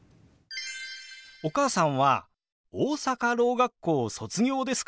お母さんは大阪ろう学校卒業ですか？